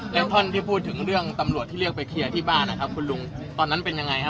แล้วท่อนที่พูดถึงเรื่องตำรวจที่เรียกไปเคลียร์ที่บ้านนะครับคุณลุงตอนนั้นเป็นยังไงฮะ